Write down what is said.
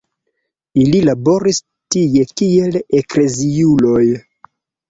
Ili laboris tie kiel ekleziuloj.